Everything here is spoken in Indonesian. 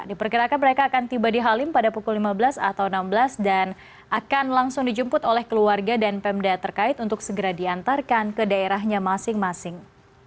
diperkirakan mereka akan tiba di halim pada pukul lima belas atau enam belas dan akan langsung dijemput oleh keluarga dan pemda terkait untuk segera diantarkan ke daerahnya masing masing